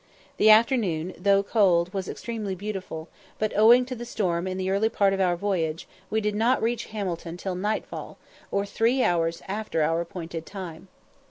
The afternoon, though cold, was extremely beautiful, but, owing to the storm in the early part of our voyage, we did not reach Hamilton till nightfall, or three hours after our appointed time.